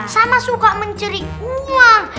sama suka mencari uang